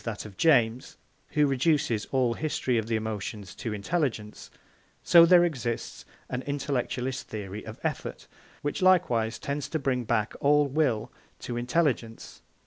that of James, who reduces all the history of the emotions to intelligence, so there exists an intellectualist theory of effort, which likewise tends to bring back, all will to intelligence.